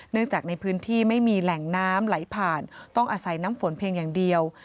จากในพื้นที่ไม่มีแหล่งน้ำไหลผ่านต้องอาศัยน้ำฝนเพียงอย่างเดียว